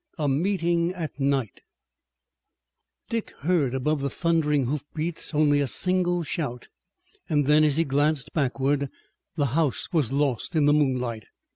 A MEETING AT NIGHT Dick heard above the thundering hoofbeats only a single shout, and then, as he glanced backward, the house was lost in the moonlight.